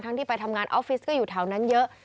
ที่ไปทำงานออฟฟิศก็อยู่แถวนั้นเยอะ